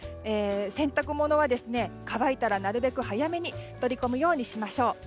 洗濯物は乾いたらなるべく早めに取り込むようにしましょう。